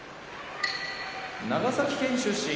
長崎県出身